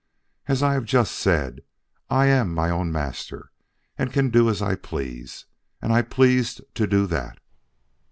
As I have just said, I am my own master and can do as I please, and I pleased to do that.